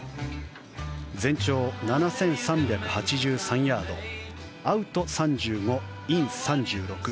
全長７３８３ヤードアウト３５、イン３６。